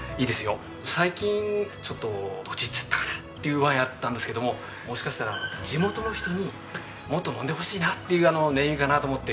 最近ちょっとドジっちゃったかなっていうワインあったんですけどももしかしたら地元の人にもっと飲んでほしいなっていうネーミングかなって思って。